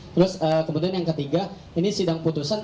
terus kemudian yang ketiga ini sidang putusan